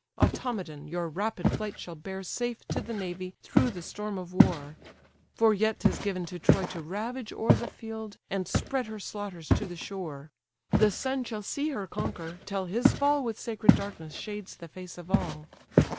Automedon your rapid flight shall bear Safe to the navy through the storm of war. For yet 'tis given to Troy to ravage o'er The field, and spread her slaughters to the shore; The sun shall see her conquer, till his fall With sacred darkness shades the face of all."